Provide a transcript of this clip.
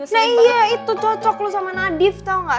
nah iya itu cocok loh sama nadif tau gak